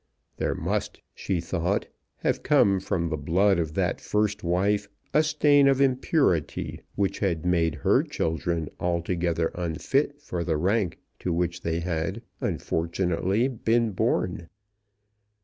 There must, she thought, have come from the blood of that first wife a stain of impurity which had made her children altogether unfit for the rank to which they had unfortunately been born.